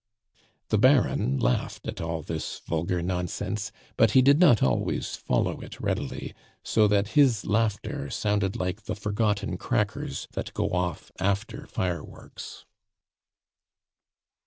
The Baron laughed at all this vulgar nonsense, but he did not always follow it readily, so that his laughter sounded like the forgotten crackers that go off after fireworks.